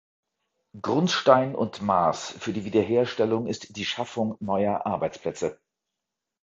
Grundstein und Maß für die Wiederherstellung ist die Schaffung neuer Arbeitsplätze.